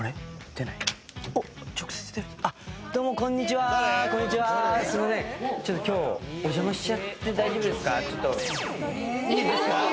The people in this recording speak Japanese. ちょっと今日お邪魔しちゃって大丈夫ですか？